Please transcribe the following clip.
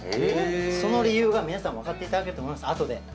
その理由皆さん分かっていただけると思います後で。